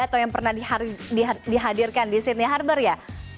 atau yang pernah dihadirkan di sydney harbour ya